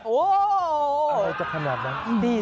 โอ้โหอะไรจะขนาดนั้น